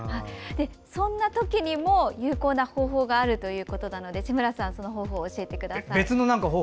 そんなときにも有効な方法があるということなので志村さん、その方法を教えてください。